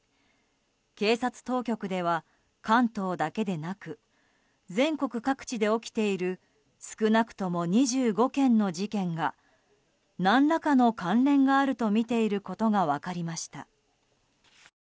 警察当局では、関東だけでなく全国各地で起きている少なくとも２５件の事件が何らかの関連があるとみていることが分かりました。